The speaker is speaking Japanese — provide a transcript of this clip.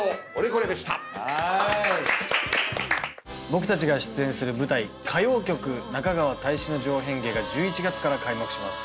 僕たちが出演する舞台『歌妖曲中川大志之丞変化』が１１月から開幕します。